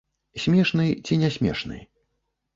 Смешны, ці не смешны.